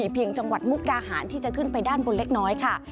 เพียงจังหวัดมุกดาหารที่จะขึ้นไปด้านบนเล็กน้อยค่ะ